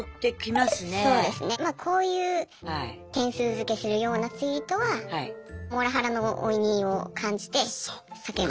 まあこういう点数づけするようなツイートはモラハラのオイニーを感じて避けますね。